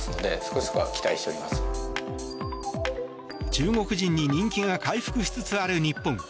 中国人に人気が回復しつつある日本。